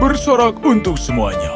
bersorak untuk semuanya